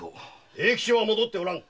永吉は戻ってはおらぬ。